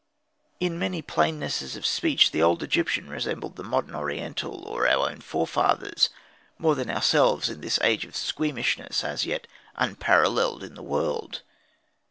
In many plainnesses of speech the old Egyptian resembled the modern Oriental, or our own forefathers, more than ourselves in this age of squeamishness as yet unparalleled in the world.